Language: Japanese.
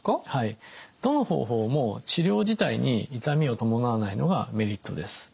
どの方法も治療自体に痛みを伴わないのがメリットです。